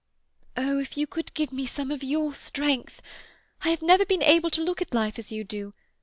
"Oh, if you could give me some of your strength! I have never been able to look at life as you do.